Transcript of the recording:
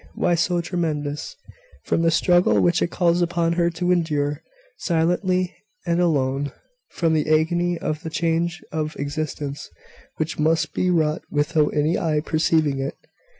Why so tremendous?" "From the struggle which it calls upon her to endure, silently and alone; from the agony of a change of existence which must be wrought without any eye perceiving it.